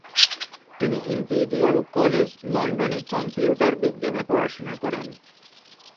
তিনি imperial college লন্ডনে computer বিজ্ঞানে পড়াশোনা করেন।